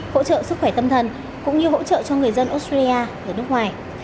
hỗ trợ sức khỏe tâm thần cũng như hỗ trợ cho người dân australia ở nước ngoài